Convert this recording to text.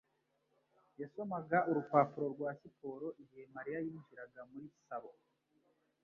yasomaga urupapuro rwa siporo igihe Mariya yinjiraga muri salo.